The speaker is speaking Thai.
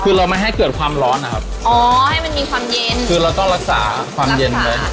คือเราไม่ให้เกิดความร้อนนะครับอ๋อให้มันมีความเย็นคือเราต้องรักษาความเย็นไว้